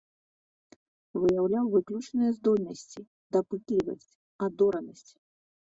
Выяўляў выключныя здольнасці, дапытлівасць, адоранасць.